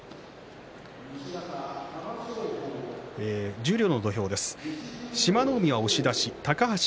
十両の土俵です。